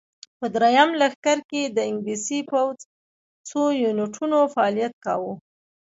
په درېیم لښکر کې د انګلیسي پوځ څو یونیټونو فعالیت کاوه.